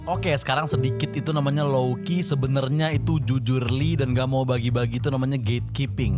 oke sekarang sedikit itu namanya low key sebenarnya itu jujurly dan gak mau bagi bagi itu namanya gatekeeping